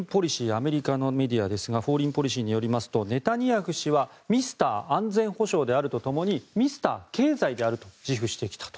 アメリカのメディアですが「フォーリン・ポリシー」によりますとネタニヤフ氏はミスター安全保障であるとともにミスター経済であると自負してきたと。